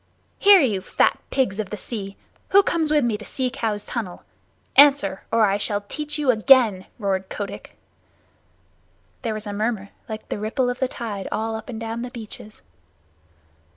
"Hear you, fat pigs of the sea. Who comes with me to the Sea Cow's tunnel? Answer, or I shall teach you again," roared Kotick. There was a murmur like the ripple of the tide all up and down the beaches.